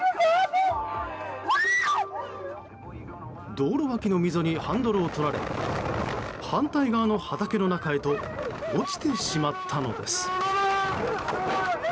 道路脇の溝にハンドルを取られ反対側の畑の中へと落ちてしまったのです。